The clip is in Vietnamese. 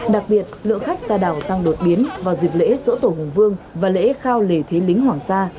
đặc biệt lượng khách ra đảo tăng đột biến vào dịp lễ dỗ tổ hùng vương và lễ khao lễ thế lính hoàng sa